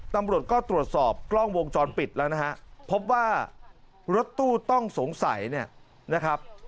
ตำรวจก็ตรวจสอบกล้องวงจรปิดแล้วนะฮะพบว่ารถตู้ต้องสงสัยเนี่ยนะครับ